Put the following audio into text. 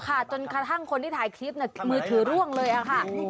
ก็จนทั้งคนที่ทายคลิปมือถือล่วงเลยอะค่ะ